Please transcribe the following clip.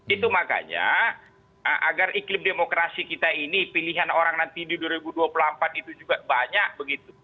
itu makanya agar iklim demokrasi kita ini pilihan orang nanti di dua ribu dua puluh empat itu juga banyak begitu